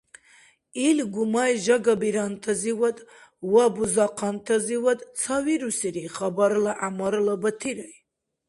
Ил гумай жагабирантазивад ва бузахъантазивад ца вирусири хабарла Гӏямарла Батирай.